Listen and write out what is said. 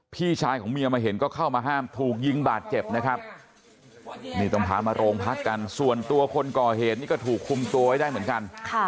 พี่ชายของเมียมาเห็นก็เข้ามาห้ามถูกยิงบาดเจ็บนะครับนี่ต้องพามาโรงพักกันส่วนตัวคนก่อเหตุนี่ก็ถูกคุมตัวไว้ได้เหมือนกัน